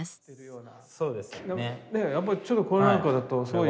やっぱりちょっとこれなんかだとすごい。